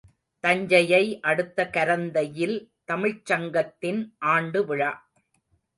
தஞ்சையை அடுத்த கரந்தையில் தமிழ்ச்சங்கத்தின் ஆண்டுவிழா.